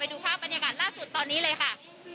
ดูภาพบรรยากาศล่าสุดตอนนี้เลยค่ะ